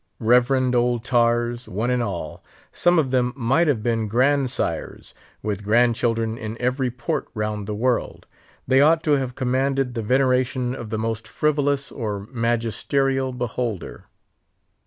Reverend old tars, one and all; some of them might have been grandsires, with grandchildren in every port round the world. They ought to have commanded the veneration of the most frivolous or magisterial beholder.